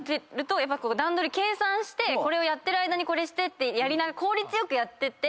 やっぱ計算してこれをやってる間にこれしてって効率良くやってて。